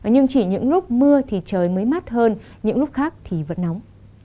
nhưng chỉ những lúc mưa thì trời mới mát hơn những lúc khác thì vẫn nóng